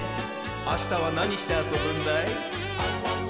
あしたはなにしてあそぶんだい？